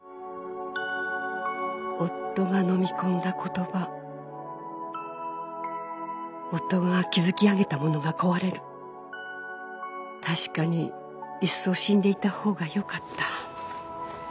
「夫がのみ込んだ言葉」「夫が築き上げたものが壊れる」「確かにいっそ死んでいた方がよかった」